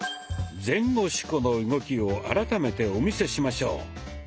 「前後四股」の動きを改めてお見せしましょう。